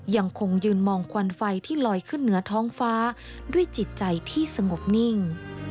ยังคงยืนมองควันไฟที่ลอยขึ้นเหนือท้องฟ้าด้วยจิตใจที่สงบนิ่ง